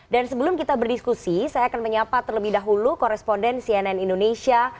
dan sebelum kita berdiskusi saya akan menyapa terlebih dahulu koresponden cnn indonesia